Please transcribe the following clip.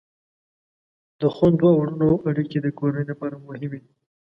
د خویندو او ورونو اړیکې د کورنۍ لپاره مهمې دي.